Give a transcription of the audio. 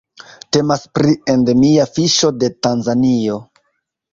Temas pri endemia fiŝo de Tanzanio.